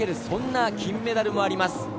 そんな金メダルでもあります。